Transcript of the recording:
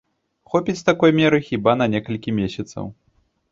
Хопіць такой меры, хіба, на некалькі месяцаў.